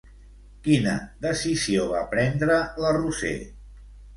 Quina decisió va prendre la Roser?